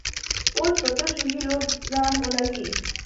اوس په تشو هیلو ځان غولوي.